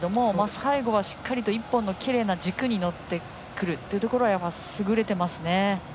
最後はしっかりと１本のきれいな軸に乗ってくるというところは優れていますね。